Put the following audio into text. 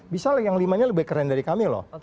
bisa yang limanya lebih keren dari kami loh